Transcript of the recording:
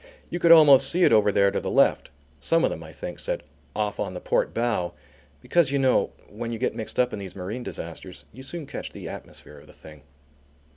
You could almost see it over there to the left, some of them, I think, said "off on the port bow," because you know when you get mixed up in these marine disasters, you soon catch the atmosphere of the thing.